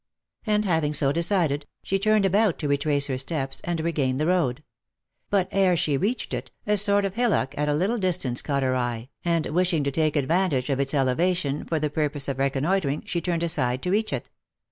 And having so decided, she turned about to retrace her steps, and regain the road ; but ere she reached it, a sort of hillock at a little distance caught her eye, and wishing to take advantage of its eleva tion, for the purpose of reconnoitring, she turned aside to reach it.